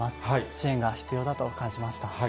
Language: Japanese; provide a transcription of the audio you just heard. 支援が必要だと感じました。